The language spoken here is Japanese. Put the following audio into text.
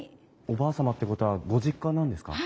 おばあ様ってことはご実家なんですか？